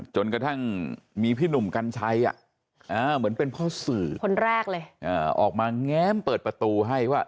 จนกระทั่งมีพี่หนุ่มกัญชัยเหมือนเป็นพ่อสื่อคนแรกเลยออกมาแง้มเปิดประตูให้ว่า